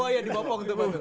wah ya dibopong tuh